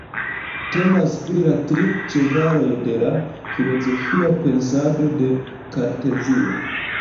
Temas pri la tri ĉevaloj de la filozofia pensado de Kartezio.